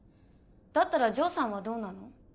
だったら城さんはどうなの？